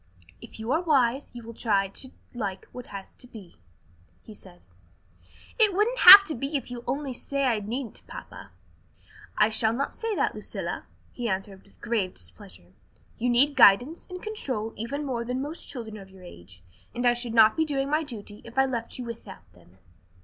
"If you are wise, you will try to like what has to be," he said. "It wouldn't have to be if you would only say I needn't, papa." "I shall not say that, Lucilla," he answered with grave displeasure. "You need guidance and control even more than most children of your age, and I should not be doing my duty if I left you without them."